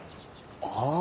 ああ！